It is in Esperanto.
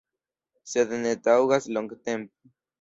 Sed ne taŭgas longtempe.